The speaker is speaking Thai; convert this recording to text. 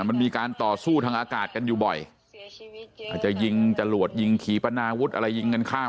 มันมีการต่อสู้ทางอากาศกันอยู่บ่อยอาจจะยิงจรวดยิงขี่ปนาวุฒิอะไรยิงกันข้าม